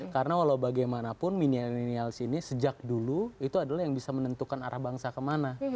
karena walau bagaimanapun milenial ini sejak dulu itu adalah yang bisa menentukan arah bangsa kemana